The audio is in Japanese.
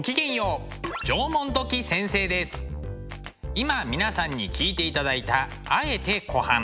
今皆さんに聴いていただいた「敢えて湖畔」。